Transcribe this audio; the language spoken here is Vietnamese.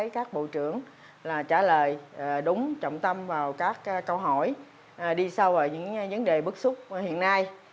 các bộ trưởng trả lời đúng trọng tâm vào các câu hỏi đi sâu vào những vấn đề bức xúc hiện nay